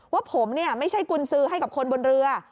ว่าผมไม่ใช่กุญสือให้กับคนบนเรือ